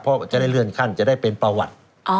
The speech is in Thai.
เพราะจะได้เลื่อนขั้นจะได้เป็นประวัติ